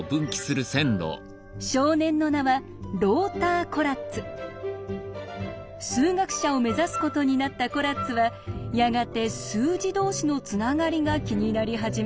少年の名は数学者を目指すことになったコラッツはやがて数字同士のつながりが気になり始めます。